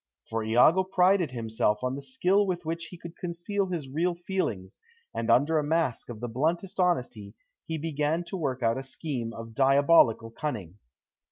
For Iago prided himself on the skill with which he could conceal his real feelings, and under a mask of the bluntest honesty he began to work out a scheme of diabolical cunning.